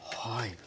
はい。